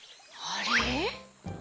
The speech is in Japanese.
あれ？